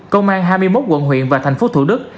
công an hai mươi một quận huyện và thành phố thủ đức